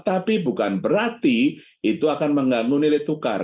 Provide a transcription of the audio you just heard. tapi bukan berarti itu akan mengganggu nilai tukar